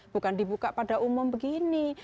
bukan dibuka pada umum begini